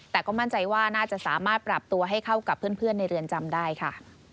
แต่ก็มั่นใจว่าน่าจะสามารถปรับตัวให้เข้ากับเพื่อนในเรือนจำได้ค่ะ